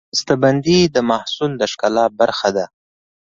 بستهبندي د محصول د ښکلا برخه ده.